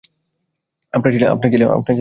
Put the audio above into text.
আপনার ছেলে, হ্যাঁ?